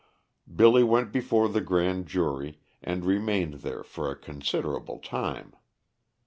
Billy went before the grand jury, and remained there for a considerable time.